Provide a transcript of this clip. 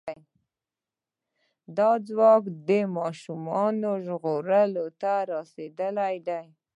دا ځواک د دې ماشومې ژغورلو ته را رسېدلی و.